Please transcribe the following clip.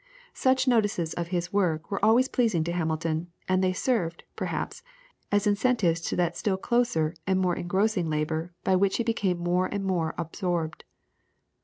Such notices of his work were always pleasing to Hamilton, and they served, perhaps, as incentives to that still closer and more engrossing labour by which he became more and more absorbed.